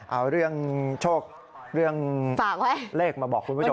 เอาเรื่องโชคเรื่องฝากเลขมาบอกคุณผู้ชม